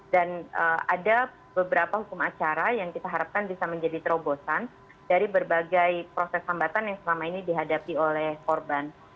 dan ada beberapa hukum acara yang kita harapkan bisa menjadi terobosan dari berbagai proses tambatan yang selama ini dihadapi oleh korban